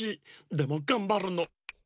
でもがんばるの。